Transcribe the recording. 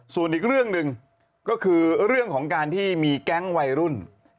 ส่วนอีกเรื่องหนึ่งก็คือเรื่องของการที่มีแก๊งวัยรุ่น